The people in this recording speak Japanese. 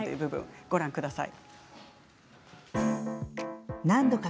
ご覧ください。